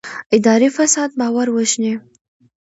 اداري فساد باور وژني